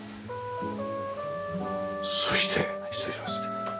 そして失礼します。